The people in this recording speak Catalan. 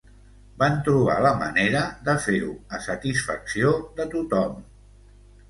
Van trobar la manera de fer-ho a satisfacció de tothom.